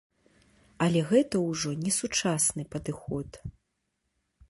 Але гэта ўжо не сучасны падыход.